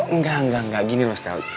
enggak enggak gini loh setahun